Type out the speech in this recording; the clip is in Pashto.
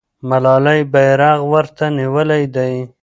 ملالۍ بیرغ ورته نیولی دی.